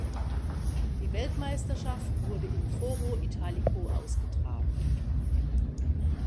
Die Weltmeisterschaft wurde im Foro Italico ausgetragen.